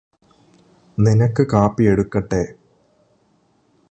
നിനക്ക് കാപ്പി എടുക്കട്ടേ?